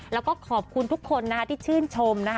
แล้วก็ขอบคุณทุกคนนะคะที่ชื่นชมนะคะ